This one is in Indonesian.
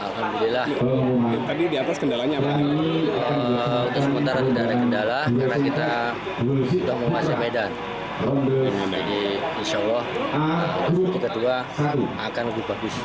kedua akan bagus